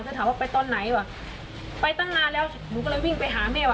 ถ้าถามว่าไปตอนไหนว่ะไปตั้งนานแล้วหนูก็เลยวิ่งไปหาแม่ว่